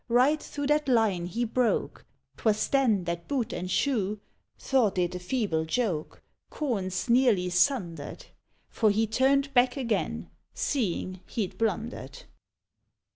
Right through that line he broke, 'Twas then that boot and shoe Thought it a feeble joke — Corns nearly sundered! For he turned back again, Seeing he'd blunder'd.